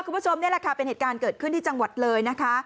คุณผู้ชมนี่แหละค่ะเป็นเหตุการณ์เกิดขึ้นที่จังหวัดเลยนะคะ